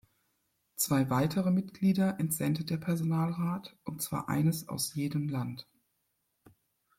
Zwei weitere Mitglieder entsendet der Personalrat, und zwar eines aus jedem Land.